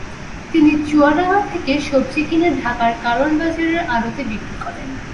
তিনি চুয়াডাঙ্গা থেকে সবজি কিনে ঢাকার কারওয়ান বাজারের আড়তে বিক্রি করেন।